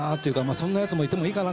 そんなヤツもいてもいいかな